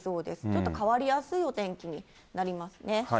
ちょっと変わりやすいお天気になりますね。